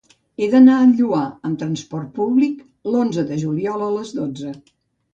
He d'anar al Lloar amb trasport públic l'onze de juliol a les dotze.